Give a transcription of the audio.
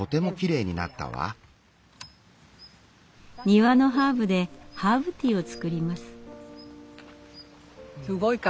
庭のハーブでハーブティーを作ります。